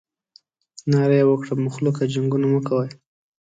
ناره یې وکړه مخلوقه جنګونه مه کوئ.